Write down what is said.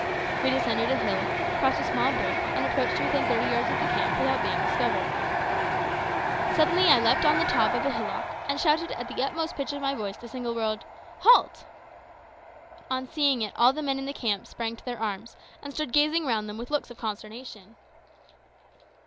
We descended a hill, crossed a small brook, and approached to within thirty yards of the camp without being discovered. Suddenly I leaped on the top of a hillock, and shouted at the utmost pitch of my voice the single word "Halt!" On hearing it all the men in the camp sprang to their arms, and stood gazing round them with looks of consternation.